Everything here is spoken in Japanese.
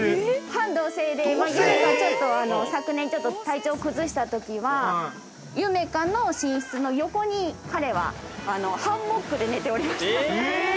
◆半同棲でちょっと、昨年ちょっと体調を崩したときには、ゆめ花の寝室の横に彼はハンモックで寝ておりました。